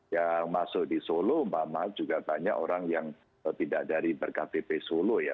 yang masuk di solo umpama juga banyak orang yang tidak dari berktp solo ya